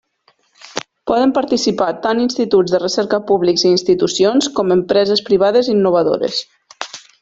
Poden participar tant instituts de recerca públics i institucions com empreses privades innovadores.